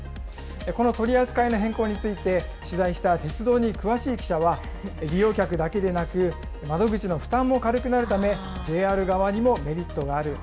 この取り扱いの変更について、取材した鉄道に詳しい記者は、利用客だけでなく、窓口の負担も軽くなるため、ＪＲ側にもメリットがある。